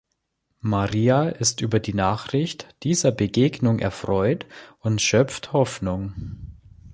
Maria ist über die Nachricht dieser Begegnung erfreut und schöpft Hoffnung.